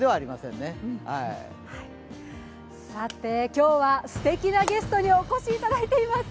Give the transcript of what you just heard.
今日はすてきなゲストにお越しいただいています。